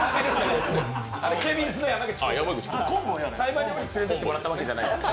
冴羽りょうに連れていってもらったわけじゃないです。